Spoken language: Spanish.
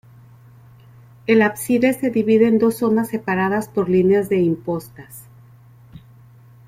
El ábside se divide en dos zonas separadas por líneas de impostas.